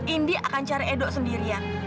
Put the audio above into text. indi akan cari edo sendirian